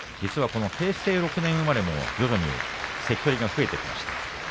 平成６年生まれも徐々に関取が増えています。